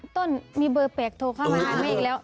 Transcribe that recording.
ต้นมีเบอร์แปลกโทรเข้ามาหาแม่อีกแล้ว